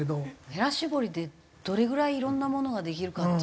へら絞りでどれぐらいいろんなものができるかって。